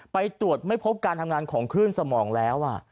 ไปตรวจไม่พบการทำงานของคลื่นสมองแล้ว